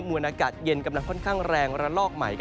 มวลอากาศเย็นกำลังค่อนข้างแรงระลอกใหม่